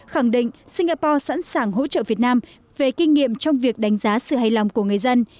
khẳng định singapore sẵn sàng hỗ trợ việt nam về kinh nghiệm trong việc đánh giá sự hài lòng của người dân